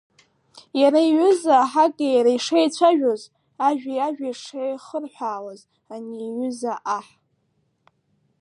Иара иҩыза аҳаки иареи шеицәажәоз, ажәеи ажәеи шеихырҳәаауаз, ани иҩыза аҳ…